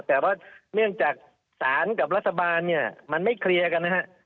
แต่ว่าเนื่องจากศาลกับรัฐบาลเนี่ยมันไม่เคลียร์กันนะฮะ